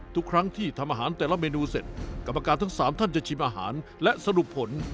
ทุกครั้งที่ทำอาหารแต่ละเมนูเสร็จกรรมการทั้ง๓ท่านจะชิมอาหารและสรุปผล